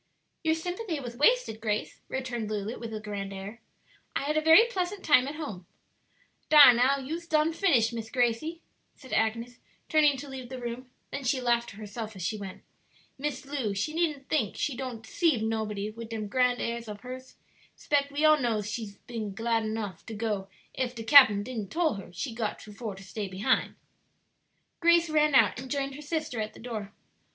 "Your sympathy was wasted, Grace," returned Lulu, with a grand air. "I had a very pleasant time at home." "Dar now, you's done finished, Miss Gracie," said Agnes, turning to leave the room; then she laughed to herself as she went, "Miss Lu she needn't think she don't 'ceive nobody wid dem grand airs ob hers; 'spect we all knows she been glad nuff to go ef de cap'n didn't tole her she got for to stay behin'." Grace ran out and joined her sister at the door.